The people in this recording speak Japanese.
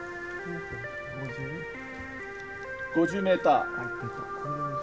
５０ｍ。